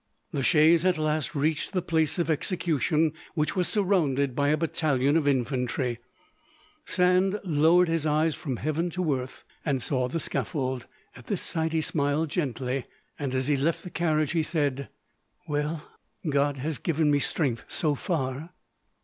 The chaise at last reached the place of execution, which was surrounded by a battalion of infantry; Sand lowered his eyes from heaven to earth and saw the scaffold. At this sight he smiled gently, and as he left the carriage he said, "Well, God has given me strength so far."